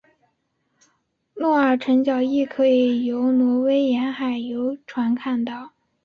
诺尔辰角亦可以由挪威沿岸游船看到。